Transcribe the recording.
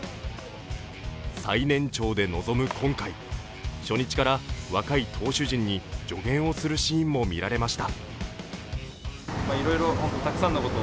最年長で臨む今回初日から若い投手陣に助言をするシーンも見られました。